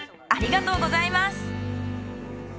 ありがとうございます。